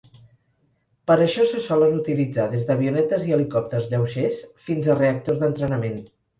Per això se solen utilitzar des d'avionetes i helicòpters lleugers fins a reactors d'entrenament.